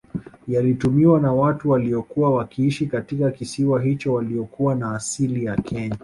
Yalitumiwa na watu waliokuwa wakiishi katika kisiwa hicho waliokuwa na asili ya Kenya